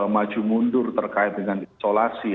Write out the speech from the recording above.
maju mundur terkait dengan isolasi